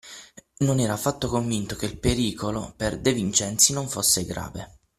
Non era affatto convinto che il pericolo per De Vincenzi non fosse grave.